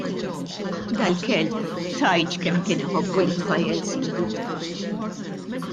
Dal-kelb tgħidx kemm kien iħobbu lit-tfajjel sidu.